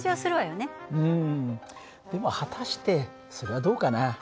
うんでも果たしてそれはどうかな？